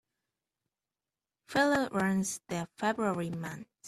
Feller runs the February months.